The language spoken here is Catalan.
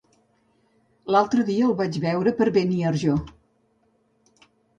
L'altre dia el vaig veure per Beniarjó.